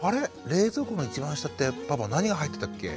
冷蔵庫の一番下ってパパ何が入ってたっけ？」